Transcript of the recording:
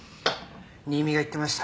新見が言ってました。